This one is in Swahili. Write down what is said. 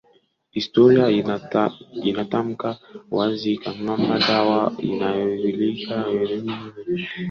Historia inatamka wazi kwamba dawa haikuwa kweli hakuna risasi hata moja iliyogeuka kuwa maji